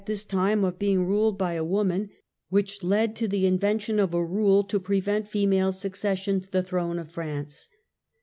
time of being ruled by a woman which led to the inven 68 THE END OF THE MIDDLE AGE tion of a rule to prevent female succession to the throne of France.